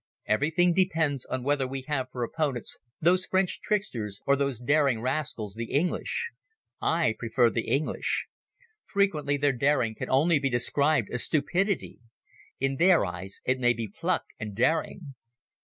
Everything depends on whether we have for opponents those French tricksters or those daring rascals, the English. I prefer the English. Frequently their daring can only be described as stupidity. In their eyes it may be pluck and daring.